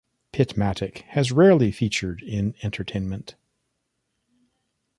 Pitmatic has rarely featured in entertainment.